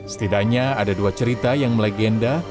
setidaknya ada dua cerita yang melegenda